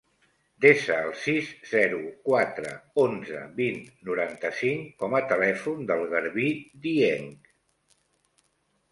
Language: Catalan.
Desa el sis, zero, quatre, onze, vint, noranta-cinc com a telèfon del Garbí Dieng.